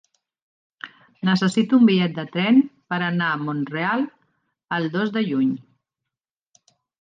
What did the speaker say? Necessito un bitllet de tren per anar a Mont-ral el dos de juny.